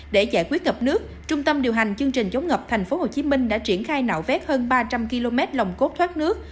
để giải quyết ngập nước trung tâm điều hành chương trình chống ngập thành phố hồ chí minh đã triển khai nạo vét hơn ba trăm linh km lòng cốt thoát nước